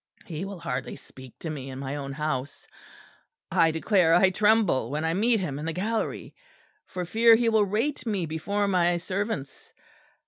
He will hardly speak to me in my own house; I declare I tremble when I meet him in the gallery; for fear he will rate me before my servants.